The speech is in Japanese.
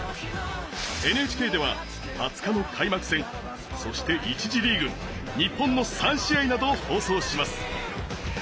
ＮＨＫでは２０日の開幕戦そして、１次リーグ日本の３試合などを放送します。